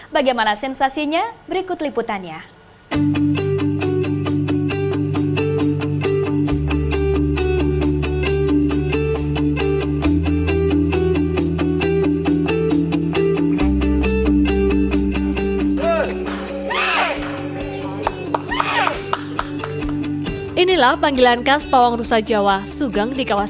bagaimana sensasinya berikut liputannya